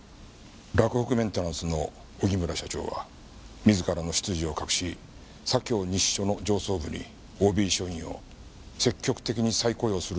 洛北メンテナンスの荻村社長は自らの出自を隠し左京西署の上層部にＯＢ署員を積極的に再雇用すると言って近づいてきました。